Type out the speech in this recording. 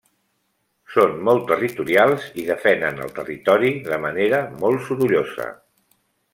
Són molt territorials i defenen el territori de manera molt sorollosa.